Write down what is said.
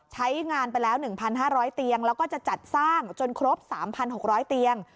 ใช้งานไปแล้ว๑๕๐๐เตียงแล้วก็จะจัดสร้างจนครบ๓๖๐๐เตียง